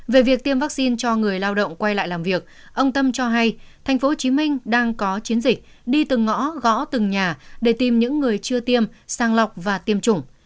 về việc tiêm vaccine cho người lao động quay lại làm việc ông tâm cho hay tp hcm đang có chiến dịch đi từng ngõ gõ từng nhà để tìm những người chưa tiêm sang lọc và tiêm chủng